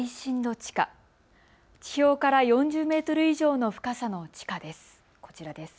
地表から４０メートル以上の深さの地下です、こちらです。